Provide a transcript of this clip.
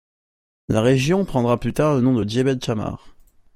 La région prendra plus tard le nom de Djebel Chammar.